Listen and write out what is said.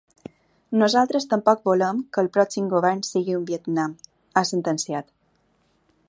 “Nosaltres tampoc volem que el pròxim govern sigui un Vietnam”, ha sentenciat.